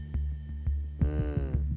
うん。